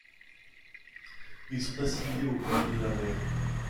Ils sont assimilés aux peuples de la mer.